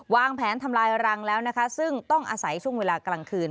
วางแผนทำลายรังแล้วนะคะซึ่งต้องอาศัยช่วงเวลากลางคืน